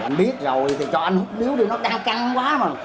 anh biết rồi thì cho anh hút níu đi nó đang căng quá mà